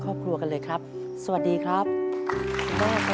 คุณแม่สวัสดีคุณรายสวัสดีครับครับ